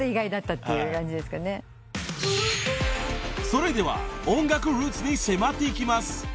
［それでは音楽ルーツに迫っていきます］